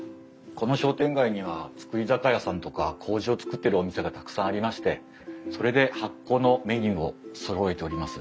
この商店街には造り酒屋さんとかこうじを造ってるお店がたくさんありましてそれで発酵のメニューをそろえております。